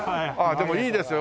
でもいいですね